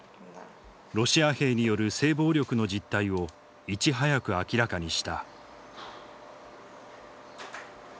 ロシア兵による性暴力の実態をいち早く明らかにした。